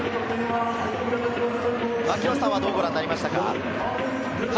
槙野さんはどうご覧になりましたか？